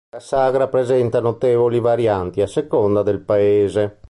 La sagra presenta notevoli varianti a seconda del paese.